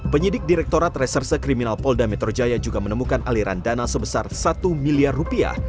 penyidik direktorat reserse kriminal polda metro jaya juga menemukan aliran dana sebesar satu miliar rupiah